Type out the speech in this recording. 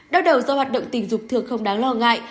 đau đầu do hoạt động tình dục thường không đáng lo ngại